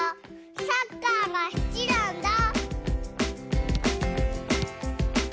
サッカーが好きなんだ！